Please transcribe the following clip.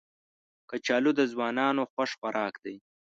کچالو د ځوانانو خوښ خوراک دی